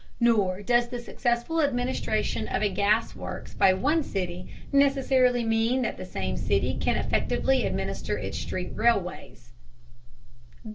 Nor does the successful administration of a gas works by one city necessarily mean that the same city can effectively administer its street railways.